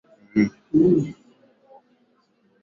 aa pindi pale viongozi wao wanapokwenda kombo lakini pia